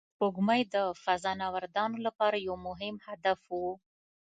سپوږمۍ د فضانوردانو لپاره یو مهم هدف و